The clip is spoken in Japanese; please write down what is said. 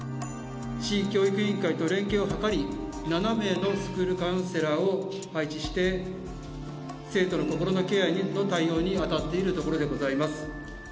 市教育委員会と連携を図り、７名のスクールカウンセラーを配置して、生徒の心のケアの対応に当たっているところでございます。